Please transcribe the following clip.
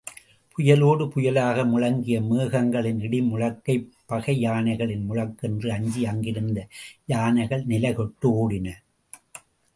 புயலோடு புயலாக முழங்கிய மேகங்களின் இடிமுழக்கைப் பகை யானைகளின் முழக்கென்று அஞ்சி அங்கிருந்த யானைகள் நிலைகெட்டு ஓடின.